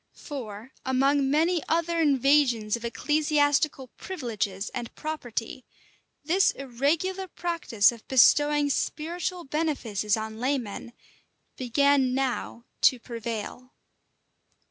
For, among many other invasions of ecclesiastical privileges and property, this irregular practice of bestowing spiritual benefices on laymen began now to prevail.